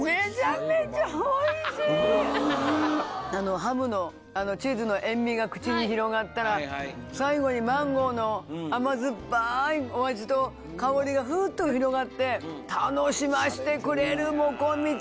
ハムのチーズの塩みが口に広がったら最後にマンゴーの甘酸っぱい味と香りがふっと広がって楽しませてくれるもこみち